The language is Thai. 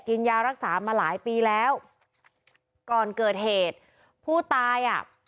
กินยารักษามาหลายปีแล้วก่อนเกิดเหตุผู้ตายอ่ะ